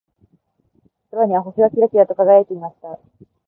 空には星がキラキラと輝いていました。